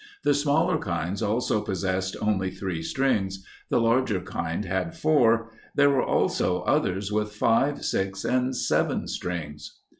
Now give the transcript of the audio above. The smaller kinds also possessed only three strings; the larger kind had four; there were also others with five, six, and seven strings.